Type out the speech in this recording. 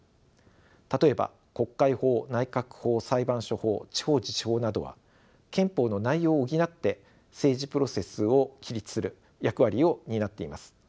例えば国会法内閣法裁判所法地方自治法などは憲法の内容を補って政治プロセスを規律する役割を担っています。